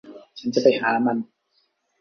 ฉันจะไปหามัน